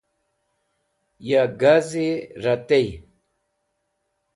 ya g̃huzi ra tey